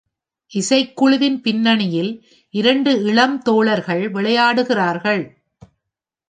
இசைக்குழுவின் பின்னணியில் இரண்டு இளம் தோழர்கள் விளையாடுகிறார்கள்.